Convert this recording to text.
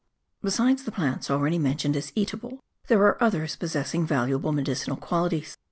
Besides the plants already mentioned as eatable, there are others possessing valuable medicinal qualities.